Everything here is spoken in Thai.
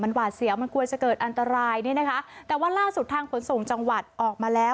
นี่นะคะแต่ว่าร่าสุดทางผลส่งจังหวัดออกมาแล้ว